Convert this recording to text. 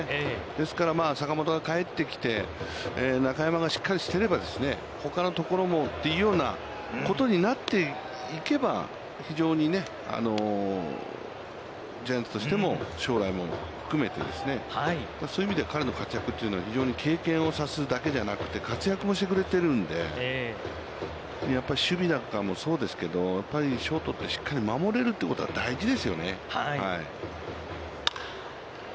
ですから、坂本が帰ってきて、中山がしっかりしていれば、ほかのところもというようなことになっていけば、非常にジャイアンツとしても、将来も含めてですね、そういう意味では彼の活躍というのは非常に経験をさすだけではなくて、活躍もしてくれているので、やっぱり守備なんかもそうですけど、やっぱりショートって、しっかり守れるということは大事ですよね。